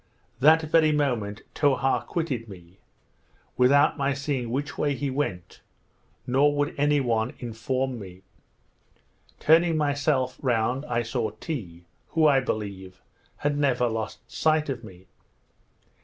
That very moment Towha quitted me, without my seeing which way he went, nor would any one inform me. Turning myself round I saw Tee, who, I believe, had never lost sight of me.